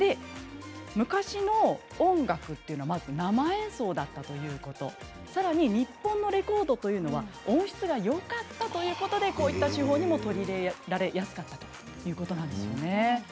昔の音楽は生演奏だったのに加えてさらに日本のレコードは特に音質がよかったということでこういった手法にも取り入れやすかったということなんです。